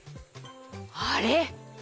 あれ？